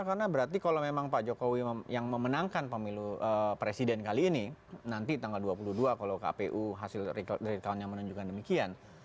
karena berarti kalau memang pak jokowi yang memenangkan pemilu presiden kali ini nanti tanggal dua puluh dua kalau kpu hasil rekonstruksinya menunjukkan demikian